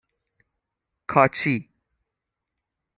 کاچی